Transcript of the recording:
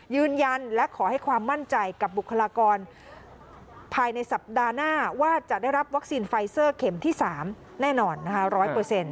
ยืนยันและขอให้ความมั่นใจกับบุคลากรภายในสัปดาห์หน้าว่าจะได้รับวัคซีนไฟเซอร์เข็มที่๓แน่นอนนะคะ๑๐๐